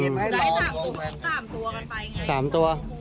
สามตัวกันไปไงสามตัว